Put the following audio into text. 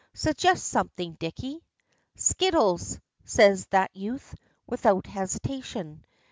"Suggest something, Dicky." "Skittles," says that youth, without hesitation.